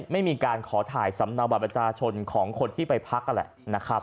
ไม่มีการขอถ่ายสำนาประจาชนของคนที่ไปพัก